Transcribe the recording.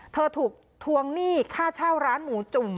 เธอถูกทวงหนี้ค่าเช่าร้านหมูจุ่ม